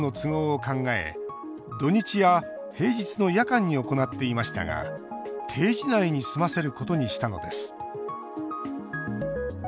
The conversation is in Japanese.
土日や平日の夜間に行っていましたが定時内に済ませることにしたのです